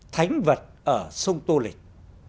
thánh vật ở sông tô lịch